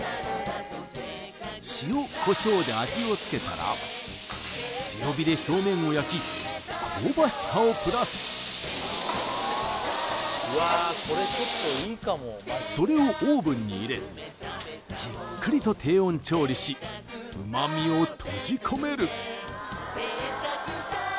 塩コショウで味をつけたら強火で表面を焼き香ばしさをプラスそれをオーブンに入れじっくりと低温調理し旨みを閉じ込める